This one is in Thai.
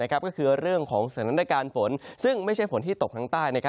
ก็คือเรื่องของสถานการณ์ฝนซึ่งไม่ใช่ฝนที่ตกทางใต้